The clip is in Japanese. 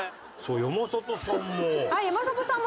さあ山里さんも。